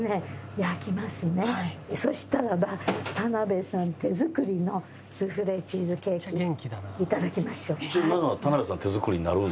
そしたらば田辺さん手作りのスフレチーズケーキ頂きましょう。